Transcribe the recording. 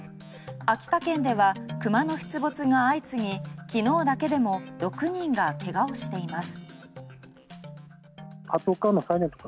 秋田県ではクマの出没が相次ぎ昨日だけでも６人が怪我をしています。